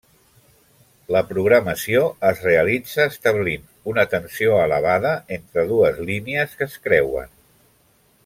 La programació es realitza establint una tensió elevada entre dues línies que es creuen.